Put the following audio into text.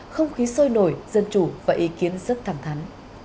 không khí sôi nổi dân chủ và ý kiến rất thẳng thắn